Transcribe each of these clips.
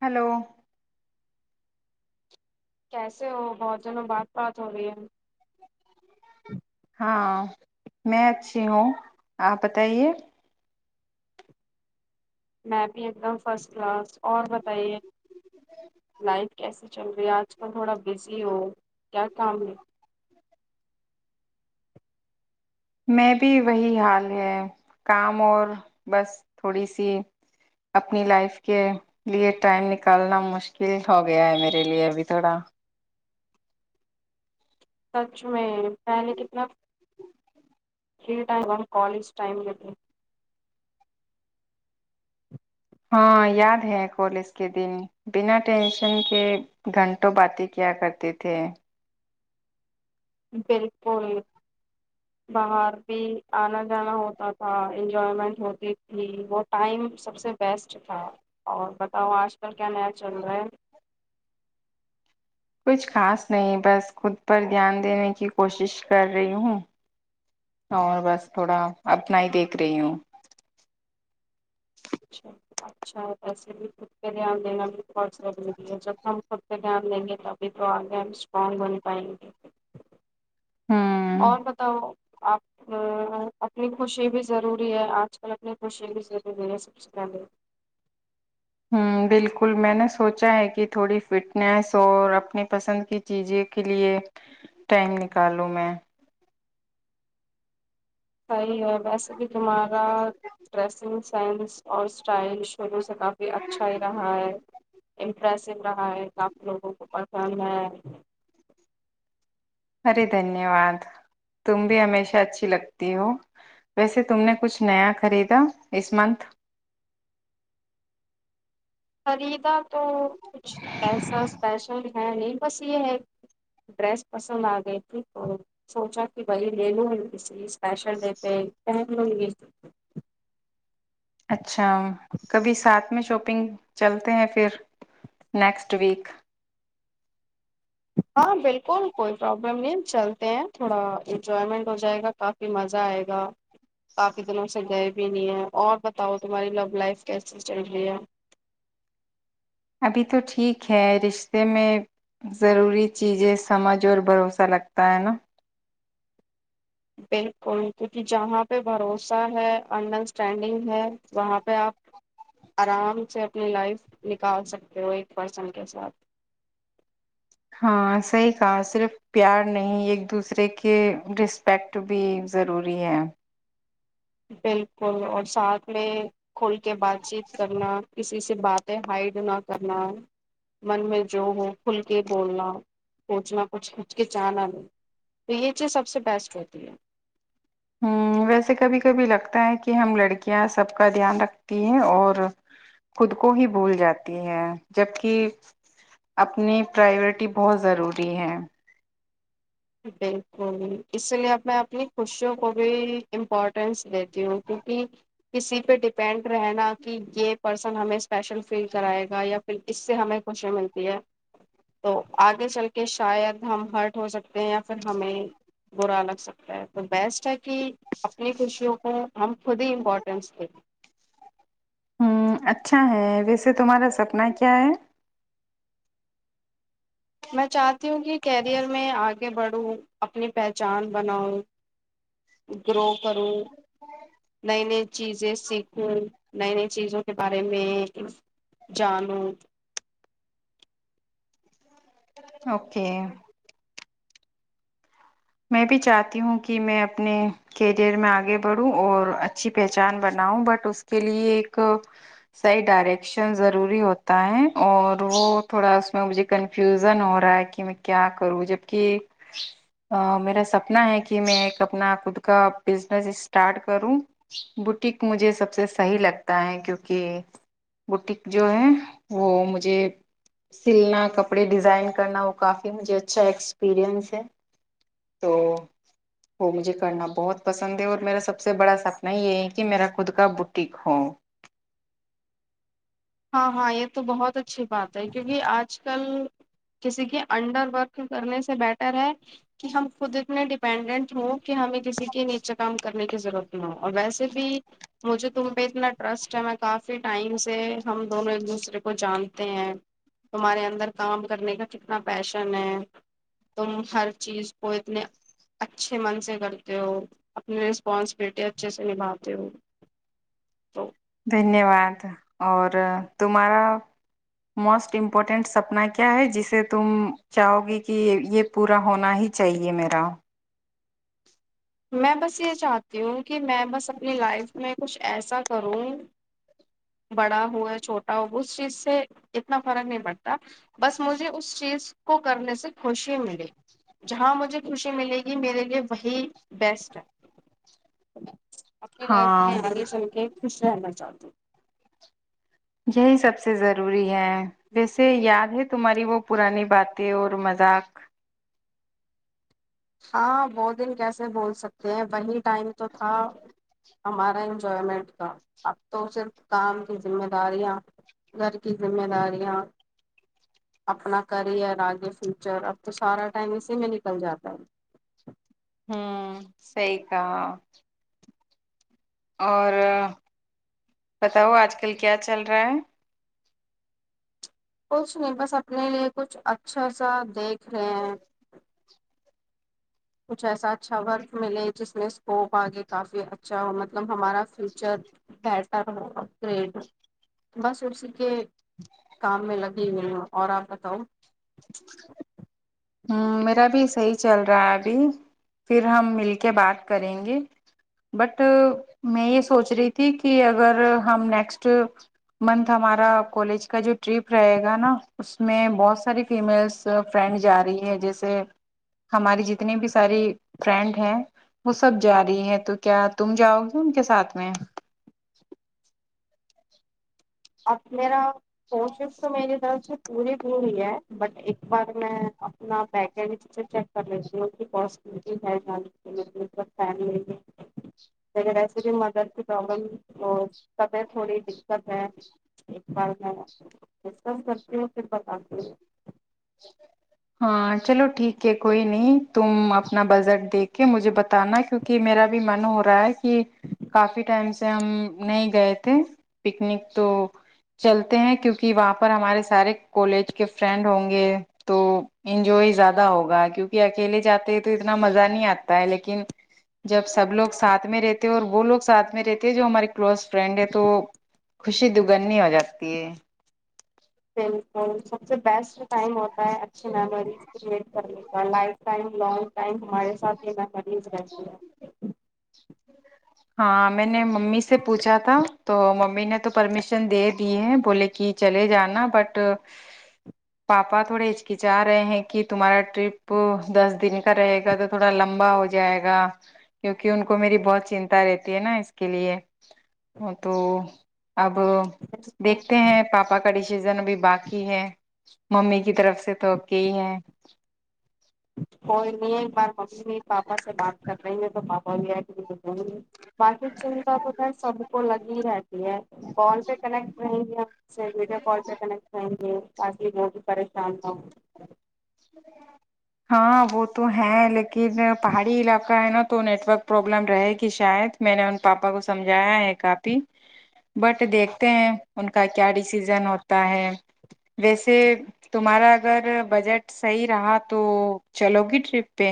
hello [inaudible] کیسے ہو بہت دنوں بات بات ہو رہی ہے [unintelligible] ہاں میں اچھی ہوں آپ بتائیے [unintelligible] میں بھی ایک دم فرسٹ کلاس اور بتائیے لائف کیسے چل رہی ہے آج کل تھوڑا بزی ہو [unintelligible] کیا کام ہے [inaudible] میں بھی وہی حال ہے کام اور بس تھوڑی سی اپنی لائف کے لیئے ٹائم نکالنا مشکل ہو گیا ہے میرے لیئے ابھی تھوڑا [unintelligible] سچ میں پہلے کتنا فری ٹائم اورن کالج ٹائم ل ت [unintelligible] ہاں یاد ہے کالج کے دن بنا ٹینشن کے گھنٹوں باتیں کیا کرتے تھے [unintelligible] بالکل باہر بھی آنا جانا ہوتا تھا انجوائمنٹ ہوتی تھی وہ ٹائم سب سے بیسٹ تھا اور بتاؤ آج کل [unintelligible] کیا مع چل رہا ہے [inaudible] کچھ خاص نہیں بس خود پر دھیان دینے کی کوشش کر رہی ہوں اور بس تھوڑا اپنا ہی دیکھ رہی ہوں [unintelligible] اچھا ایسے بھی خود پہ دھیان دینا بھی بہت ضروری ہے جب ہم خود پہ دھیان دیں گے تبھی تو آگے ہم اسٹرانگ بن پائیں گے [inaudible] ہاں [inaudible] اور بتاؤ آپ اپنی خوشی بھی ضروری ہے آج کل اپنی خوشی بھی ضروری ہے سب سے پہلے [unintelligible] ہ بالکل میں نے سوچا ہے کہ تھوڑی فٹنیس اور اپنی پسند کی چیزیں کے لیے ٹائم نکالوں میں [unintelligible] صحیح ہے ویسے بھی تمہارا ڈریسنگ سینس اور اسٹائل شروع سے کافی اچھا ہی رہا ہے امپریسو رہا ہے کافی لوگوں کو [unintelligible] پسند ہے [inaudible] ارے دھنیہ واد تم بھی ہمیشہ اچھی لگتی ہو ویسے تم نے کچھ نیا خریدا اس منتھ [unintelligible] سر [inaudible] تو کچھ ایسا اسپیشل [inaudible] ہ نہیں بس یہ ہے ڈریس پسند آ گئی تھی تو سوچا کہ بھائی لے لوں کسی اسپیشل دیتے پہن لوں یہ [inaudible] اچھا کبھی ساتھ میں شاپنگ چلتے ہیں پھر نیکسٹ ویک [unintelligible] ہاں بالکل کوئی پرابلم نہیں چلتے ہیں تھوڑا انجوائمنٹ ہو جائے گا کافی مزہ آئے گا کافی دنوں سے گئے بھی نہیں ہیں اور بتاؤ تمہاری لو لائف کیسی چل رہی ہے ابھی تو ٹھیک ہے رشتے میں ضروری چیزیں سمجھ اور بھروسہ لگتا ہے نا بالکل کیونکہ جہاں پہ بھروسہ ہے انڈرسٹینڈنگ ہے وہاں پہ آپ آرام سے اپنی لائف نکال سکتے ہو ایک پرسن کے ساتھ ہاں صحیح کہا صرف پیار نہیں ایک دوسرے کے رسپیکٹ بھی ضروری ہے بالکل اور ساتھ میں کھول کے بات چیت کرنا اس کسی سی باتیں ہائڈ نہ کرنا من میں جو ہو کھل کے بولنا سوچنا کچھ ہچکچنا نہیں تو یہ چیز سب سے بیسٹ ہوتی ہے ہ ویسے کبھی کبھی لگتا ہے کہ ہم لڑکیاں سب کا دھیان رکھتی ہے اور خود کو ہی بھول جاتی ہے جبک اپنی پریورٹی بہت ضروری ہے بالکل اس لیے اب میں اپنی خوشیوں کو بھی امپورٹینس دیتی ہوں کیونکہ کسی پہ ڈپینڈ رہناا کہ یہ پرسن ہمیں اسپیشل فیل کرائے گا یا پھر اس سے ہمیں خوشی ملتی ہے تو آگے چل کے شاید ہم ہرٹ ہو سکتے یا پھر ہمیں برا لگ سکتا ہے تو بیسٹ ہے کہ اپنی خوشیوں کو ہم خود ہی امپورٹینس دیں گیں ہ اچھا ہے ویسے تمہارا سپنا کیا ہے میں چاہتی ہوں کہ کیریئر میں آگے بڑھوں اپنی پہچان بناؤ گرو کرو نہیں نہیں چیزیں سیکھوں نئی نئی چیزوں کے بارے میں جانوں اوکے میں بھی چاہتی ہوں کہ میں اپنے کیریئر میں آگے بڑھوں اور اچھی پہچان بناؤں بٹ اس کے لیے ایک صحیح ڈائریکشن ضروری ہوتا ہے اور وہ تھوڑا اس میں مجھے کنفیوزن ہو رہا ہے کہ میں کیا کروں جبک میرا سپنا ہے کہ میں ایک اپنا خود کا بزنس اسٹارٹ کروں بوٹیک مجھے سب سے صحیح لگتا ہے کیونکہ بٹیک جو ہے وہ مجھے سلنا کپڑے ڈیزائن کرنا وہ کافی مجھے اچھا ایکسپرینس ہے تو وہ مجھے کرنا بہت پسند ہے اور میرا سب سے بڑا سپنا یہ ہے کہ میرا خود کا بٹیک ہو ہاں ہاں یہ تو بہت اچ اچھی بات ہے کیونکہ آج کل کسی کے انڈر ورک کرنے سے بیٹر ہے کہ ہم خود اتنے ڈیپینڈنٹ ہوں کہ ہمیں کسی کے نیچے کام کرنے کی ضرورت ہ اور ویسے بھی مجھے تم پہ اتنا ٹرسٹ ہے میں کافی ٹائمس سے [inaudible] ہم دونوں ایک دوسرے کو جانتے ہیں تمہارے اندر کام کرنے کا کتنا پیشن ہے تم ہر چیز کو اتنے اچھے من سے کرتے ہو اپنی رسپانسبلٹی اچھے سے نبھاتے ہو تو دھنیہ واد اور تمہارا موسٹ امپورٹینٹ سپنا کیا ہے جسے تم چاہو گی کہ یہ پورا ہونا ہی چاہیے میرا میں بس یہ چاہتی ہوں کہ میں بس اپنی لائف میں کچھ ایسا کروں بڑا ہو یا چھوٹا ہو اس چیز سے اتنا فرق نہیں پڑتا بس مجھے اس چیز کو کرنے سے خوشی ملیے جہاں مجھے خوشی ملے گی میرے لیے وہی بیسٹ اپنی لائف میں ہاں آگے چل کے خوش رہنا چاہوں تو [inaudible] یہی سب سے ضروری ہے ویسے یاد ہے تمہاری وہ پرانی باتیں اور مذاق ہاں بہ دن کیسے بول سکتے ہیں وہیں ٹائم تو تھا ہمارا انجوائمنٹ کا اب تو صرف کام کی ذمے داریاں گھر کی ذمے داریاں اپنا کریئر آگے فیوچر اب تو سارا ٹائم اسی میں نکل جاتا ہے ہوں سی کہاا اور بتاؤ آج کل کیا چل رہا ہے کچھ نہیں بس اپنے لیے کچھ اچھا سا دیکھ ہاں کچھ ایسا اچھا ورک ملے جس میں اسکوپ آگے کافی اچھا ہو مطلب ہمارا فیوچر بیٹر ہو اپ گریڈ بس اسی کے کام میں لگ جی بال اور آپ بتاؤ [unintelligible] ہ میرا بھی صحیح چل رہا ہے ابھی پھر ہم مل کے بات کریں گے بٹ میں یہ سوچ رہی تھی کہ اگر ہم نیکسٹ منتھ ہمارا کالج کا جو ٹرپ رہے گا نا اس میں بہت ساری فیمیلس فرینڈس جا رہی ہے جیسے ہماری جتنی بھی ساری فرینڈ ہیں وہ سب جا رہی ہے تو کیا تم جاؤ گے ان کے ساتھ میں ا میرا [inaudible] کوشش تو میری طر سے پوری پوری ہے بٹ ایک بار میں اپنا پیکج سے چیک کر لیتی ہوں کی پٹی ہے ج کے لیے فم اگر ایسے بھی مدر کی پرابلمب تھوڑی دت ہے ایک بار میں سب کرتی ہووں پھر بتاتی ہو ہاں چلو ٹھیک ہے کوئی نہیں تم اپنا بجٹ دیکھ کے مجھے بتانا کیونکہ میرا بھی من ہو رہا ہے کہ کافی ٹائم سے ہم نہیں گئے تھے پکنک تو چلتے ہیں کیونکہ وہاں پر ہمارے سارے کالج کے فرینڈ ہوں گے تو انجوائے زیادہ ہوگا کیونکہ اکیلے جاتے ہیں تو اتنا مزہ نہیں آتا ہے لیکن جب سب لوگ ساتھ میں رہتے اور وہ لوگ ساتھ میں رہتے ہیں جو ہماری کلوز فرینڈ ہے تو خوشی دگنی ہو جاتی ہے بالکل جو بیسٹ ٹائم ہوتا ہے اچھی میموریز کریئٹ کرنے کا لائف ٹائم لانگ ٹائم ہمارے میں کریز رہتی ہ ہاں میں نے ممی سے پوچھا تھا تو ممی نے تو پرمیشن دے دی ہے بولے کہ چلے جانا بٹ پاپا تھوڑے ہچکچا رہے ہیں کہ تمہارا ٹرپ دس دن کا رہے گا تو تھوڑا لمبا ہو جائے جائے گا کیونکہ ان کو میری بہت چنتا رہتی ہے نا اس کے لیے تو اب ہے دیکھتے ہیں پاپا کا ڈسیزن ابھی باقی ہے ممی کی طرف سے تو اے ہی ہیں کو نہیں بات ممی نہیں پاپا سے بات کر رہی ہیں تو پاپا اور [unintelligible] چنتا تو ہے سب کو لگی رہتی ہے کال پہ کنیکٹ رہیں گیپ ویڈیو کال پہ کنیکٹ آائیں گے تاکی بہت ہی پریشان نہ ہاں وہ تو ہے لیکن پہاڑی علاقہ ہے نا تو نیٹورک پرابلم رہے گی شاید میں نے ان پاپا کو سمجھایا ہے کافی بٹ دیکھتے ہیں ان کا کیا ڈیسیزن ہوتا ہے ویسے تمہارا اگر بجٹ صحیح رہا تو چلو گی ٹرپ پہ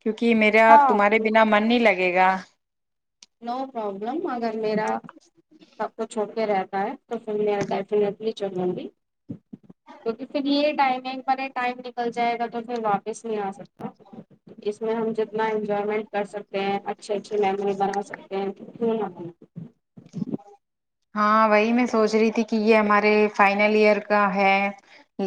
کیوںکہ میرا تمہارے ہاں بنا من نہیں لگے گا نو پرابلم اگر میرا سب کچھ رہتا ہے توھر میں ڈی چلوں گی کیکہ پھر یہ ٹمنگ ٹائم نکل جائے گا تو پھر واپس نہیں آ سکتا اس میں ہم جتنا انجوائمنٹ کر سکتے ہیں اچھ اچھا می بر ھ [unintelligible] ہاں وہی میں سوچ رہی تھی کہ یہ ہمارے فائنل ایئر کا ہے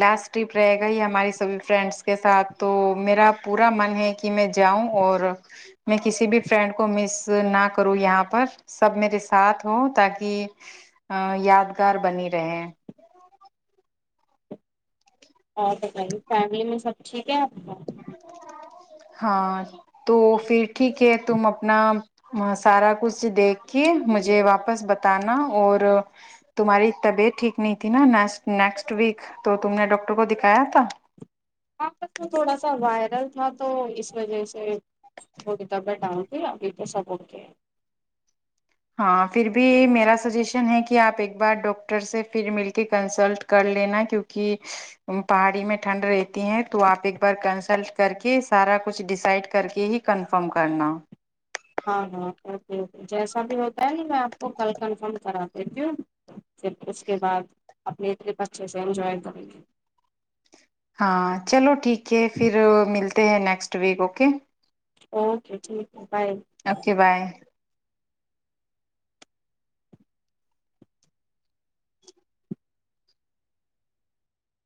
لاسٹ ٹرپ رہے گا یہ ہماراری سبھی فرینڈس کے ساتھ تو میرا پورا من ہے کہ میں جاؤں اور میں کسی بھی فرینڈ کو مس نہ کروں یہاں پر سب میرے ساتھ ہوں تاکہ ا یادگار بنی رہے ہیں اور بتائیے فیملی میں سب ٹھیک ہے آپ ہاں تو پھر ٹھیک ہے تم اپنا سارا کچھ دیکھ کے مجھے واپس بتانا اور تمہاری طبیعت ٹھیک نہیں تھی نا ن نیکسٹ ویک تو تم نے ڈاکٹر کو دکھایا تھا آپس میں تھوڑا ساوائر ل تھا تو اس وجہ سے وہ ک طبعت ڈال ت ابھی تو سب اک ہاں پھر بھی میرا سجیشن ہے کہ آپ ایک بار ڈاکٹر سے پھر مل کے کنسلٹ کر لینا کیوںکہ پہاڑی میں ٹھنڈ رہتی ہے تو آپ ایک بار کنسلٹ کر کے سارا کچھ ڈیسائڈ کر کے ہی کنفرم کرنا ٹھ جیسا بھی ہوتا ہے نا میں آپ کو کل کنفرم کرا دیتی ہوں پھر اس کے بعد اپنی ٹرپ اچھے سے انجوائے کریں گی ہاں چلو ٹھیک ہے پھر ملتے ہیں نیکسٹ ویک اوکے اوکے ٹھیک ہے بائے اوکے بائے